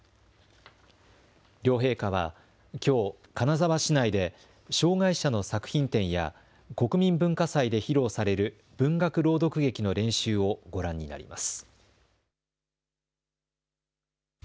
両陛下はきょう、金沢市内で、障害者の作品展や国民文化祭で披露される文学朗読劇の練習をご覧になります。